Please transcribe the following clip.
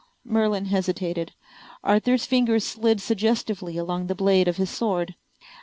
Merlin hesitated. Arthur's finger slid suggestively along the blade of his sword.